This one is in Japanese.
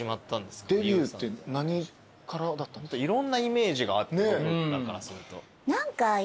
いろんなイメージがあって僕らからすると。